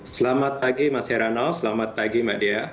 selamat pagi mas herano selamat pagi mbak dea